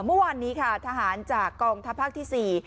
เมื่อวานนี้ค่ะทหารจากกองทัพภาคที่๔